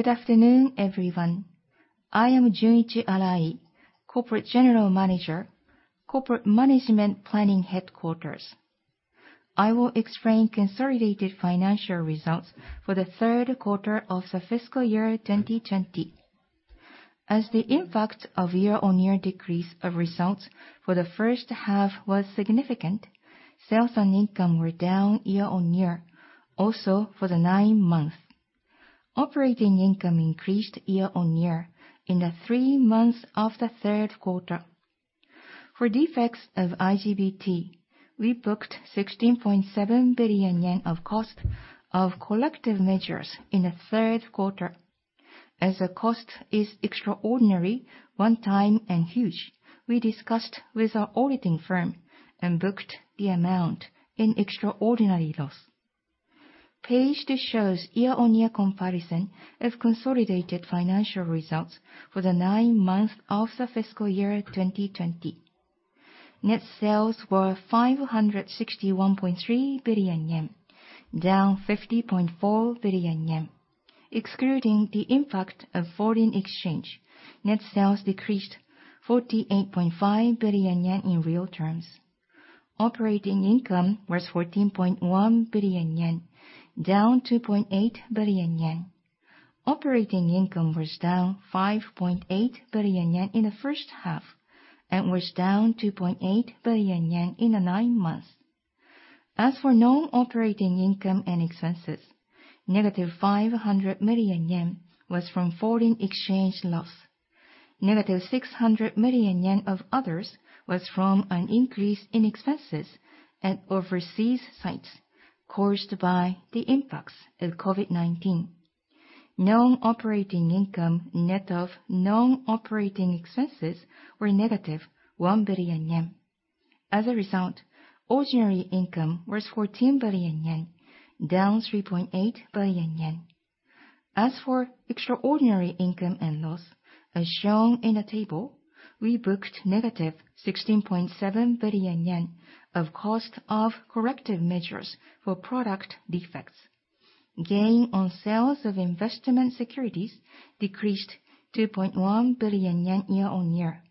Good afternoon, everyone. I am Junichi Arai, Corporate General Manager, Corporate Management Planning Headquarters. I will explain consolidated financial results for the third quarter of the fiscal year 2020. As the impact of year-on-year decrease of results for the first half was significant, sales and income were down year-on-year also for the nine months. Operating income increased year-on-year in the three months of the third quarter. For defects of IGBT, we booked 16.7 billion yen of cost of collective measures in the third quarter. As the cost is extraordinary, one time, and huge, we discussed with our auditing firm and booked the amount in extraordinary loss. Page that shows year-on-year comparison of consolidated financial results for the nine months of the fiscal year 2020. Net sales were 561.3 billion yen, down 50.4 billion yen. Excluding the impact of foreign exchange, net sales decreased 48.5 billion yen in real terms. Operating income was 14.1 billion yen, down 2.8 billion yen. Operating income was down 5.8 billion yen in the first half and was down 2.8 billion yen in the nine months. As for non-operating income and expenses, -500 million yen was from foreign exchange loss. -600 million yen of others was from an increase in expenses at overseas sites caused by the impacts of COVID-19. Non-operating income net of non-operating expenses were -1 billion yen. As a result, ordinary income was 14 billion yen, down 3.8 billion yen. As for extraordinary income and loss, as shown in the table, we booked -16.7 billion yen of cost of corrective measures for product defects. Gain on sales of investment securities decreased 2.1 billion yen year-on-year.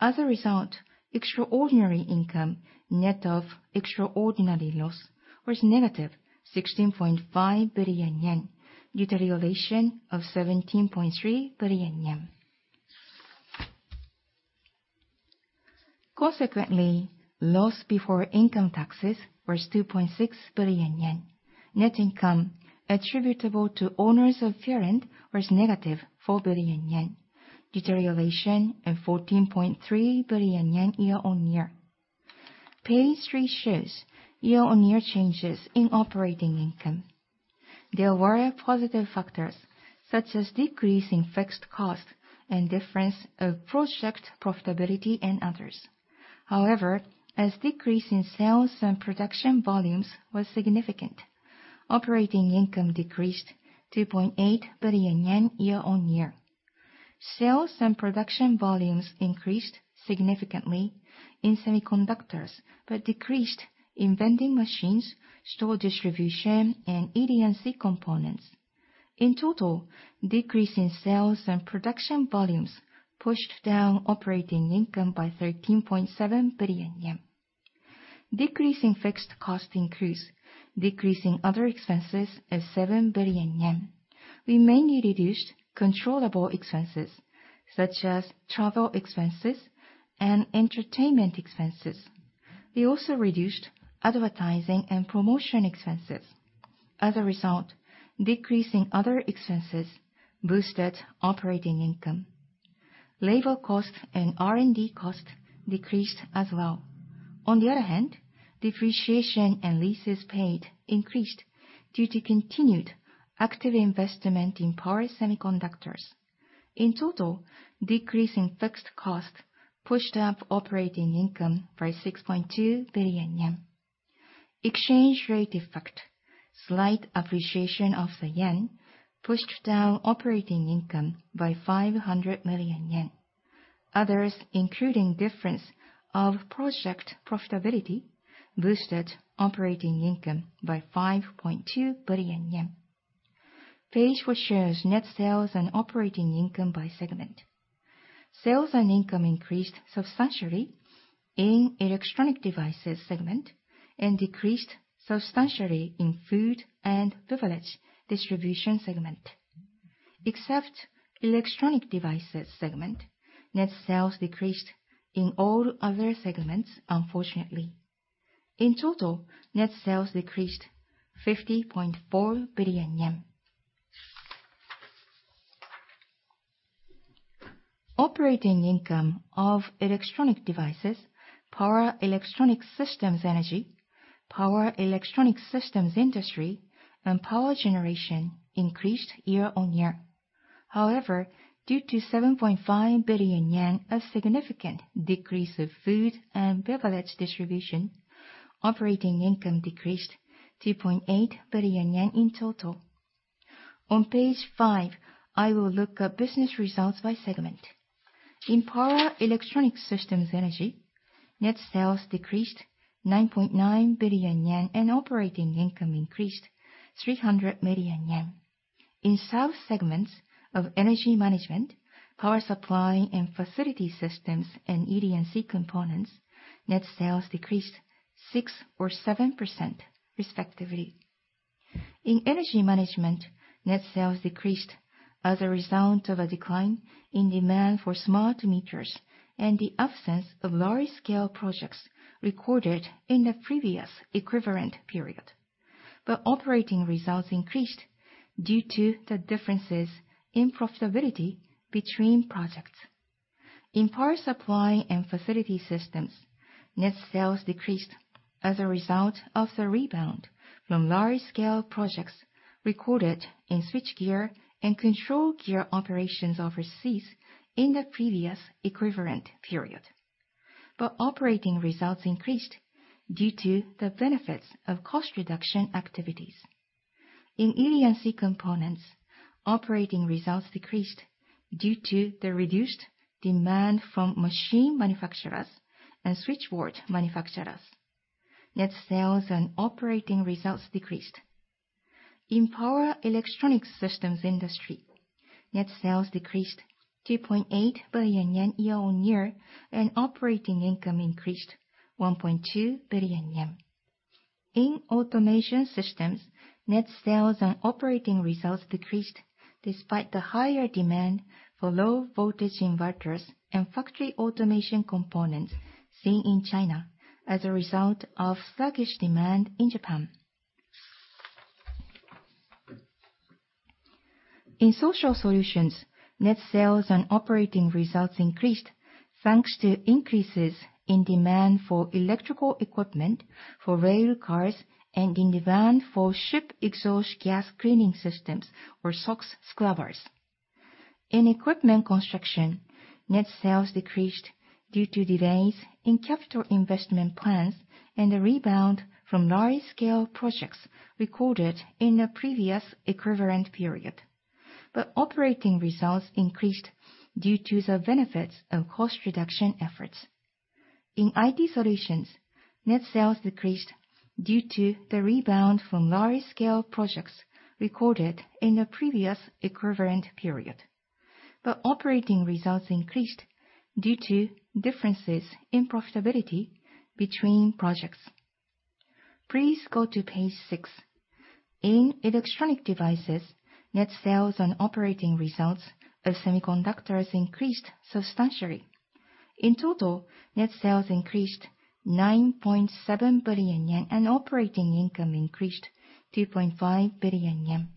As a result, extraordinary income net of extraordinary loss was -16.5 billion yen, deterioration of 17.3 billion yen. Consequently, loss before income taxes was 2.6 billion yen. Net income attributable to owners of parent was -4 billion yen, deterioration of 14.3 billion yen year-on-year. Page three shows year-on-year changes in operating income. There were positive factors, such as decrease in fixed cost and difference of project profitability and others. As decrease in sales and production volumes was significant, operating income decreased 2.8 billion yen year-on-year. Sales and production volumes increased significantly in semiconductors, but decreased in vending machines, store distribution, and ED&C components. In total, decrease in sales and production volumes pushed down operating income by 13.7 billion yen. Decrease in fixed cost includes decrease in other expenses of 7 billion yen. We mainly reduced controllable expenses such as travel expenses and entertainment expenses. We also reduced advertising and promotion expenses. As a result, decrease in other expenses boosted operating income. Labor cost and R&D cost decreased as well. On the other hand, depreciation and leases paid increased due to continued active investment in power semiconductors. In total, decrease in fixed cost pushed up operating income by 6.2 billion yen. Exchange rate effect, slight appreciation of the yen pushed down operating income by 500 million yen. Others, including difference of project profitability, boosted operating income by 5.2 billion yen. Page four shows net sales and operating income by segment. Sales and income increased substantially in Electronic Devices segment and decreased substantially in Food and Beverage Distribution segment. Except Electronic Devices segment, net sales decreased in all other segments unfortunately. In total, net sales decreased JPY 50.4 billion. Operating income of Electronic Devices, Power Electronics Systems Energy, Power Electronics Systems Industry, and Power Generation increased year-on-year. However, due to 7.5 billion yen, a significant decrease of Food and Beverage Distribution, operating income decreased 2.8 billion yen in total. On page five, I will look at business results by segment. In Power Electronics Systems Energy, net sales decreased 9.9 billion yen, and operating income increased 300 million yen. In sub-segments of energy management, power supply and facility systems, and ED&C components, net sales decreased 6% or 7%, respectively. In energy management, net sales decreased as a result of a decline in demand for smart meters and the absence of large-scale projects recorded in the previous equivalent period. Operating results increased due to the differences in profitability between projects. In power supply and facility systems, net sales decreased as a result of the rebound from large-scale projects recorded in switchgear and controlgear operations overseas in the previous equivalent period. Operating results increased due to the benefits of cost reduction activities. In ED&C components, operating results decreased due to the reduced demand from machine manufacturers and switchboard manufacturers. Net sales and operating results decreased. In Power Electronics Systems Industry, net sales decreased 2.8 billion yen year-on-year, and operating income increased 1.2 billion yen. In automation systems, net sales and operating results decreased despite the higher demand for low-voltage inverters and factory automation components seen in China as a result of sluggish demand in Japan. In social solutions, net sales and operating results increased, thanks to increases in demand for electrical equipment for rail cars and in demand for ship exhaust gas cleaning systems or SOx scrubbers. In equipment construction, net sales decreased due to delays in capital investment plans and a rebound from large-scale projects recorded in the previous equivalent period. Operating results increased due to the benefits of cost reduction efforts. In IT solutions, net sales decreased due to the rebound from large-scale projects recorded in the previous equivalent period. Operating results increased due to differences in profitability between projects. Please go to page six. In Electronic Devices, net sales and operating results of semiconductors increased substantially. In total, net sales increased 9.7 billion yen, and operating income increased 2.5 billion yen.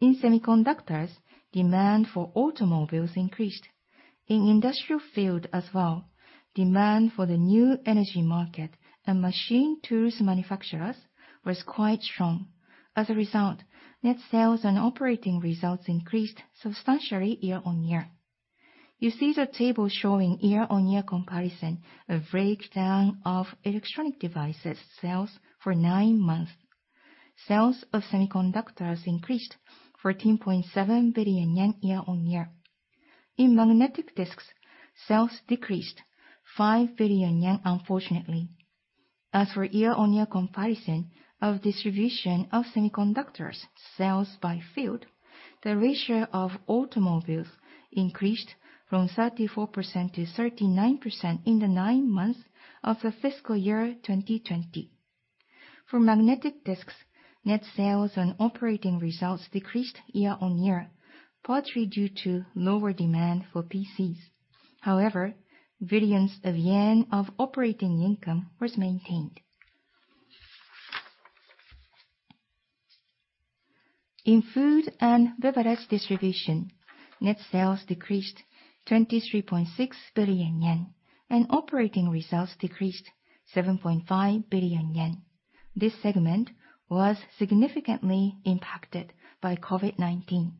In semiconductors, demand for automobiles increased. In industrial field as well, demand for the new energy market and machine tools manufacturers was quite strong. As a result, net sales and operating results increased substantially year-on-year. You see the table showing year-on-year comparison, a breakdown of Electronic Devices sales for nine months. Sales of semiconductors increased 14.7 billion yen year-on-year. In magnetic disks, sales decreased 5 billion yen, unfortunately. As for year-on-year comparison of distribution of semiconductors sales by field, the ratio of automobiles increased from 34% to 39% in the nine months of the fiscal year 2020. For magnetic disks, net sales and operating results decreased year-on-year, partly due to lower demand for PCs. However billions of yen of operating income was maintained. In Food and Beverage Distribution, net sales decreased 23.6 billion yen, and operating results decreased 7.5 billion yen. This segment was significantly impacted by COVID-19.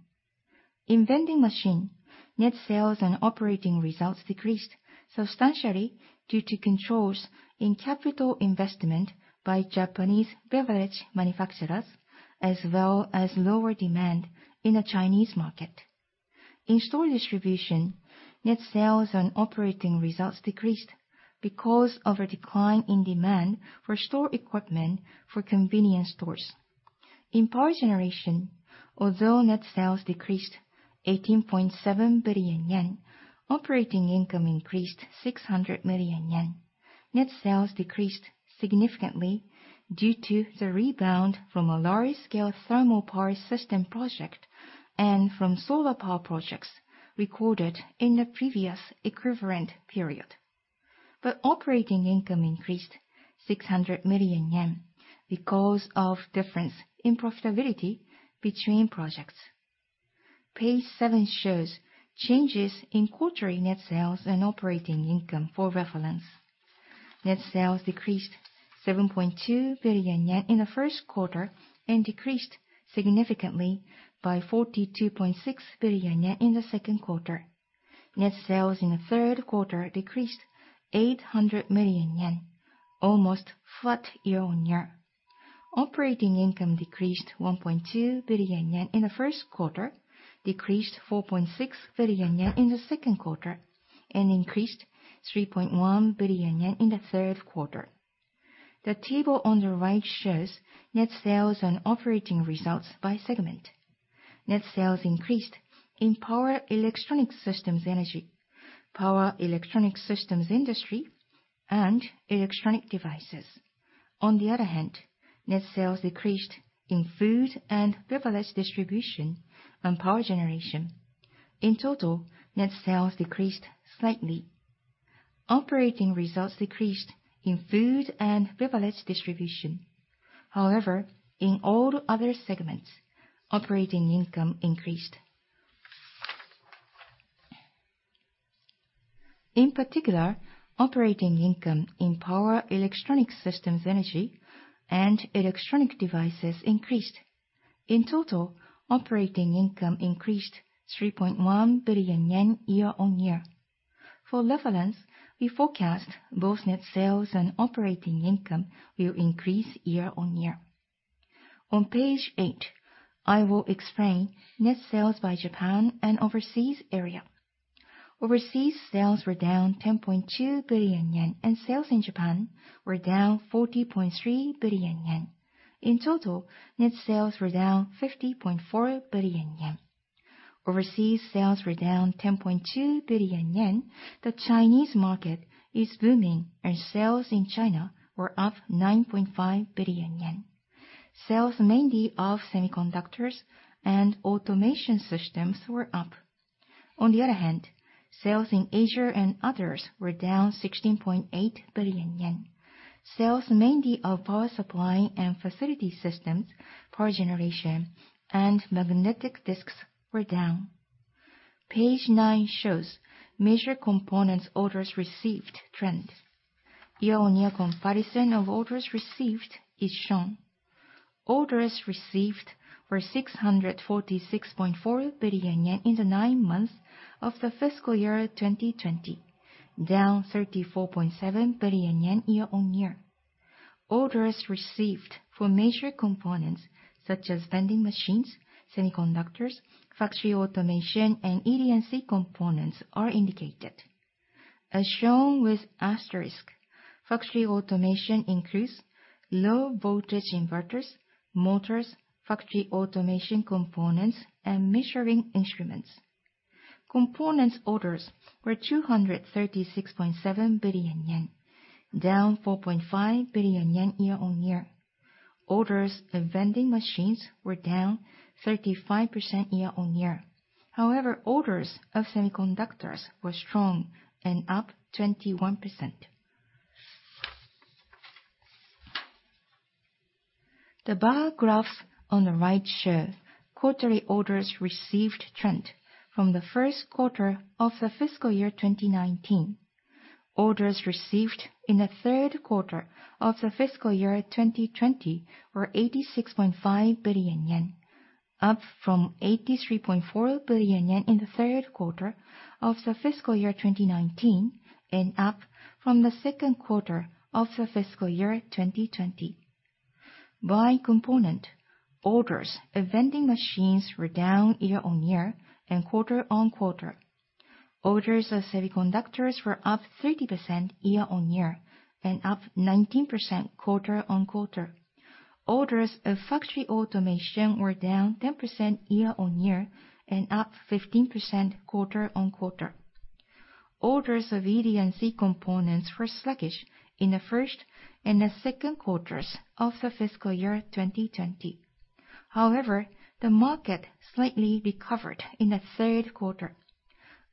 In vending machine, net sales and operating results decreased substantially due to controls in capital investment by Japanese beverage manufacturers, as well as lower demand in the Chinese market. In store distribution, net sales and operating results decreased because of a decline in demand for store equipment for convenience stores. In Power Generation, although net sales decreased 18.7 billion yen, operating income increased 600 million yen. Net sales decreased significantly due to the rebound from a large-scale thermal power system project and from solar power projects recorded in the previous equivalent period. Operating income increased 600 million yen because of difference in profitability between projects. Page seven shows changes in quarterly net sales and operating income for reference. Net sales decreased 7.2 billion yen in the first quarter and decreased significantly by 42.6 billion yen in the second quarter. Net sales in the third quarter decreased 800 million yen, almost flat year-on-year. Operating income decreased JPY 1.2 billion in the first quarter, decreased 4.6 billion yen in the second quarter, and increased 3.1 billion yen in the third quarter. The table on the right shows net sales and operating results by segment. Net sales increased in Power Electronics Systems Energy, Power Electronics Systems Industry, and Electronic Devices. On the other hand, net sales decreased in Food and Beverage Distribution and Power Generation. In total, net sales decreased slightly. Operating results decreased in Food and Beverage Distribution. In all other segments, operating income increased. In particular, operating income in Power Electronics Systems Energy and Electronic Devices increased. In total, operating income increased 3.1 billion yen year-on-year. For level length, we forecast both net sales and operating income will increase year-on-year. On page eight, I will explain net sales by Japan and overseas area. Overseas sales were down 10.2 billion yen, and sales in Japan were down 40.3 billion yen. In total, net sales were down 50.4 billion yen. Overseas sales were down 10.2 billion yen. The Chinese market is booming, sales in China were up 9.5 billion yen. Sales mainly of semiconductors and automation systems were up. On the other hand, sales in Asia and others were down 16.8 billion yen. Sales mainly of power supply and facility systems, Power Generation, and magnetic disks were down. Page nine shows major components orders received trends. Year-on-year comparison of orders received is shown. Orders received were 646.4 billion yen in the nine months of the fiscal year 2020, down 34.7 billion yen year-on-year. Orders received for major components such as vending machines, semiconductors, factory automation, and ED&C components are indicated. As shown with asterisk, factory automation includes low-voltage inverters, motors, factory automation components, and measuring instruments. Components orders were 236.7 billion yen, down 4.5 billion yen year-on-year. Orders of vending machines were down 35% year-on-year. However, orders of semiconductors were strong and up 21%. The bar graphs on the right show quarterly orders received trend from the first quarter of the fiscal year 2019. Orders received in the third quarter of the fiscal year 2020 were 86.5 billion yen, up from 83.4 billion yen in the third quarter of the fiscal year 2019 and up from the second quarter of the fiscal year 2020. By component, orders of vending machines were down year-on-year and quarter-on-quarter. Orders of semiconductors were up 30% year-on-year and up 19% quarter-on-quarter. Orders of factory automation were down 10% year-on-year and up 15% quarter-on-quarter. Orders of ED&C components were sluggish in the first and the second quarters of the fiscal year 2020. However, the market slightly recovered in the third quarter.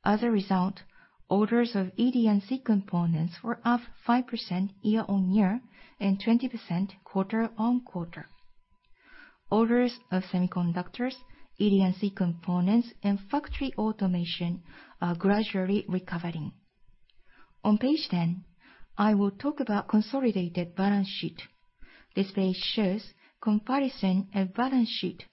As a result, orders of ED&C components were up 5% year-on-year and 20% quarter-on-quarter. Orders of semiconductors, ED&C components, and factory automation are gradually recovering. On page 10, I will talk about consolidated balance sheet. This page shows comparison of balance sheet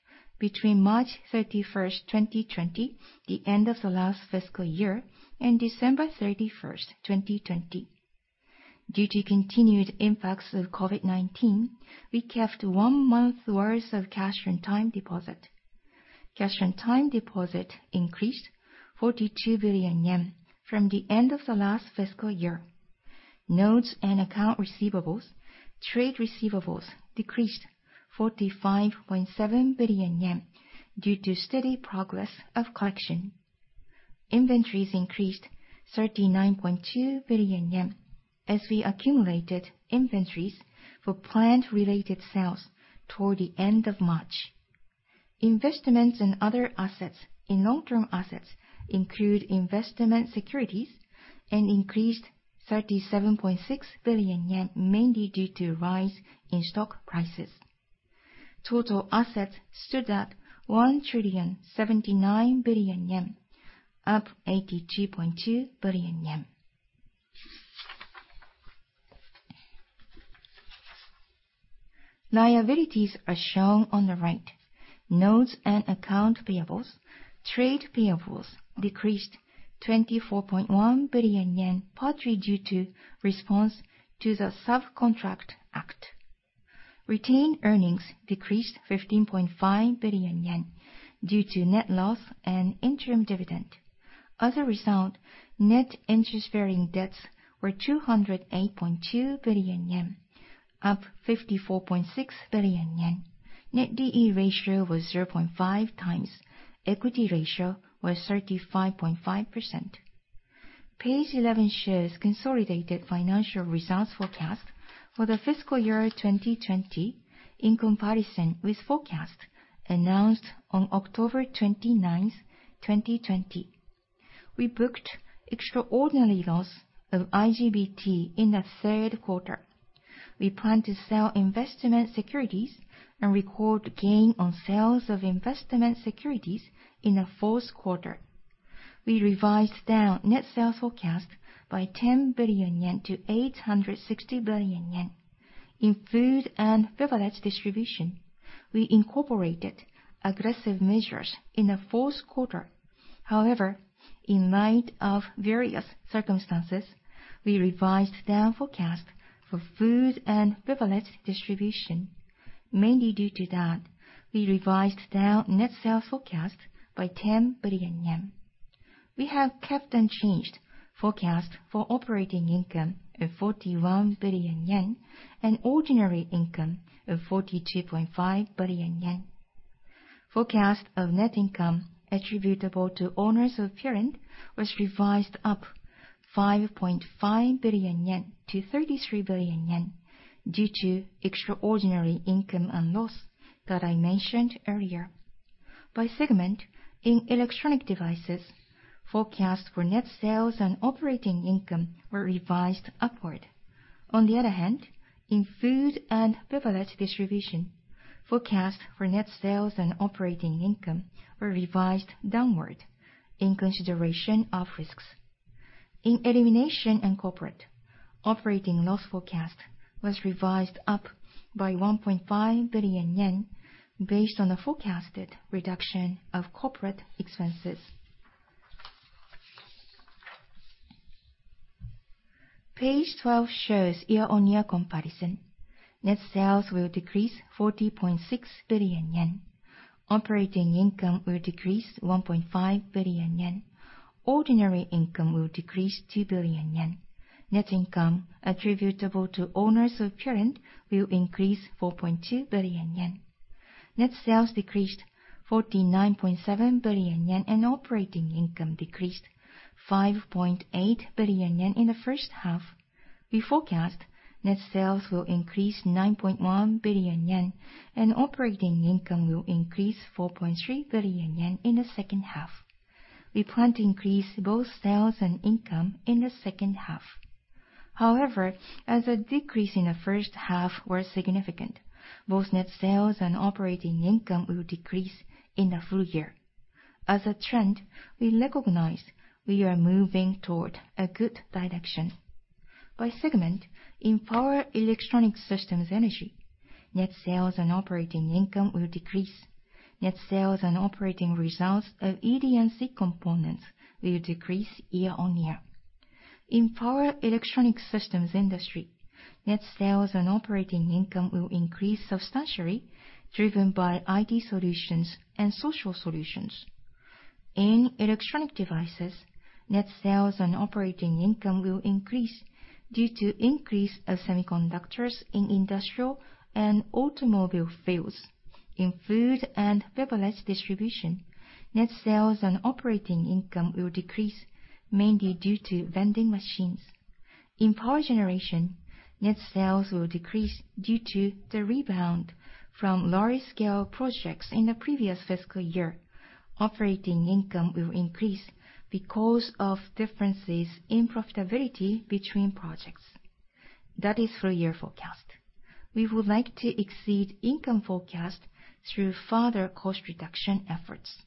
between March 31st, 2020, the end of the last fiscal year, and December 31st, 2020. Due to continued impacts of COVID-19, we kept one month's worth of cash and time deposit. Cash and time deposit increased 42 billion yen from the end of the last fiscal year. Notes and account receivables, trade receivables decreased 45.7 billion yen due to steady progress of collection. Inventories increased 39.2 billion yen as we accumulated inventories for plant-related sales toward the end of March. Investments in other assets in long-term assets include investment securities and increased 37.6 billion yen, mainly due to rise in stock prices. Total assets stood at 1,079 billion yen, up 82.2 billion yen. Liabilities are shown on the right. Notes and account payables. Trade payables decreased 24.1 billion yen, partly due to response to the Subcontract Act. Retained earnings decreased 15.5 billion yen due to net loss and interim dividend. As a result, net interest-bearing debts were 208.2 billion yen, up 54.6 billion yen. Net D/E ratio was 0.5x. Equity ratio was 35.5%. Page 11 shows consolidated financial results forecast for the fiscal year 2020 in comparison with forecast announced on October 29th, 2020. We booked extraordinary loss of IGBT in the third quarter. We plan to sell investment securities and record gain on sales of investment securities in the fourth quarter. We revised down net sales forecast by 10 billion yen to 860 billion yen. In Food and Beverage Distribution, we incorporated aggressive measures in the fourth quarter. However, in light of various circumstances, we revised down forecast for Food and Beverage Distribution. Mainly due to that, we revised down net sales forecast by 10 billion yen. We have kept unchanged forecast for operating income of 41 billion yen and ordinary income of 42.5 billion yen. Forecast of net income attributable to owners of parent was revised up 5.5 billion yen to 33 billion yen due to extraordinary income and loss that I mentioned earlier. By segment, in Electronic Devices, forecasts for net sales and operating income were revised upward. On the other hand, in Food and Beverage Distribution, forecasts for net sales and operating income were revised downward in consideration of risks. In elimination and corporate, operating loss forecast was revised up by 1.5 billion yen based on the forecasted reduction of corporate expenses. Page 12 shows year-over-year comparison. Net sales will decrease 40.6 billion yen. Operating income will decrease 1.5 billion yen. Ordinary income will decrease 2 billion yen. Net income attributable to owners of parent will increase 4.2 billion yen. Net sales decreased 49.7 billion yen, and operating income decreased 5.8 billion yen in the first half. We forecast net sales will increase 9.1 billion yen and operating income will increase 4.3 billion yen in the second half. We plan to increase both sales and income in the second half. However, as a decrease in the first half were significant, both net sales and operating income will decrease in the full year. As a trend, we recognize we are moving toward a good direction. By segment, in Power Electronics Systems Energy, net sales and operating income will decrease. Net sales and operating results of ED&C components will decrease year-over-year. In Power Electronics Systems Industry, net sales and operating income will increase substantially, driven by IT solutions and social solutions. In Electronic Devices, net sales and operating income will increase due to increase of semiconductors in industrial and automobile fields. In Food and Beverage Distribution, net sales and operating income will decrease mainly due to vending machines. In Power Generation, net sales will decrease due to the rebound from large-scale projects in the previous fiscal year. Operating income will increase because of differences in profitability between projects. That is full year forecast. We would like to exceed income forecast through further cost reduction efforts.